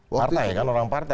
partai kan orang partai